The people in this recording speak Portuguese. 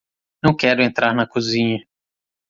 Não quero entrar na cozinha